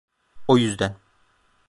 O yüzden...